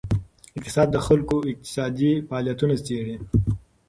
اقتصاد د خلکو اقتصادي فعالیتونه څیړي.